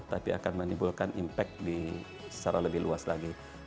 tapi akan menimbulkan impact secara lebih luas lagi